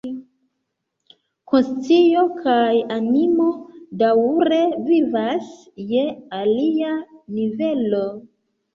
Konscio kaj animo daŭre vivas je alia nivelo.